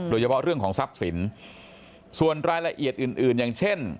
โดยเฉพาะเรื่องของทรัพย์สินส่วนรายละเอียดอื่นอื่นอย่างเช่น